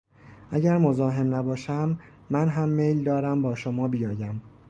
اگر مزاحم نباشم، من هم میل دارم با شما بیایم.